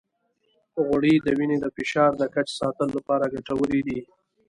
غوړې د وینې د فشار د کچې ساتلو لپاره ګټورې دي.